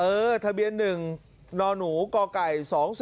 เออทะเบียนหนึ่งนหนูกไก่๒๔๔๐